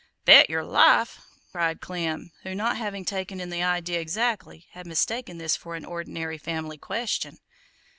"Bet yer life!" cried Clem, who, not having taken in the idea exactly, had mistaken this for an ordinary family question.